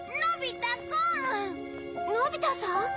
のび太さん？